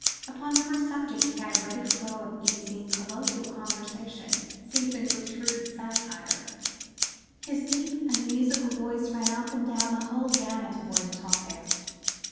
Upon every subject he had a ready flow of easy, colloquial conversation, seasoned with shrewd satire: his deep and musical voice ran up and down the whole gamut of worthy topics.